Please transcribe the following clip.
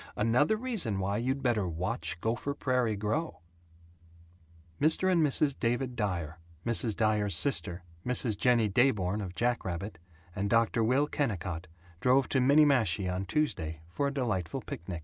Another reason why you'd better Watch Gopher Prairie Grow. Mr. and Mrs. David Dyer, Mrs. Dyer's sister, Mrs. Jennie Dayborn of Jackrabbit, and Dr. Will Kennicott drove to Minniemashie on Tuesday for a delightful picnic.